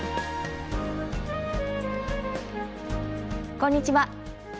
こんにちは。